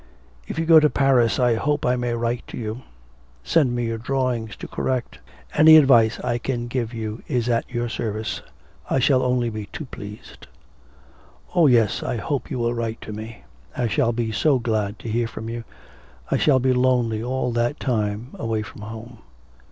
'If you go to Paris I hope I may write to you. Send me your drawings to correct. Any advice I can give you is at your service; I shall only be too pleased.' 'Oh, yes, I hope you will write to me. I shall be so glad to hear from you. I shall be lonely all that time away from home.'